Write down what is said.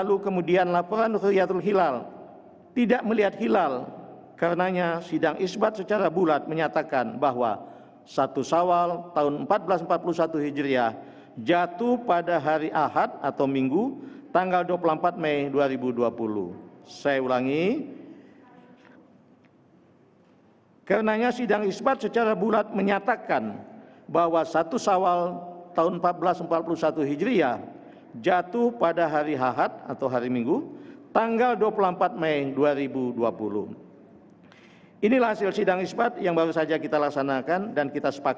untuk mencapai kemampuan yang kita inginkan